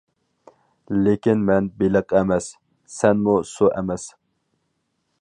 لېكىن مەن بېلىق ئەمەس، سەنمۇ سۇ ئەمەس.